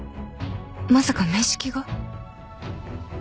まさか面識が？